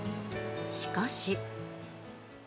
しかし。